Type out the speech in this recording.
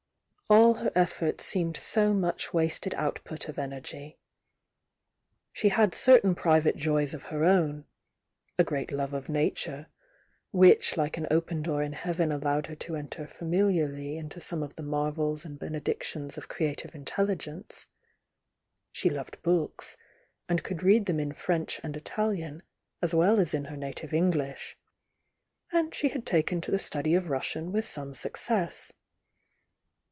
All her eflForts seemed so much wasted output of energy. She had certain private joys of her own, — a great love of Nature, which like an open door in Heaven allowed her to enter familiarly into some of the marvels and bene dictions of creative intelligence; she loved books, and could read them in French and Italian, as well as in her native English; and she had taken to the study of Russian with some success.